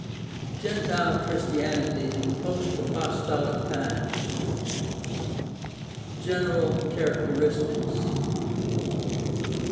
GENTILE CHRISTIANITY IN POST APOSTOLIC TIMES General characteristics.